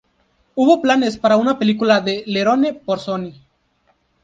Hubo planes para una película de Lenore por Sony.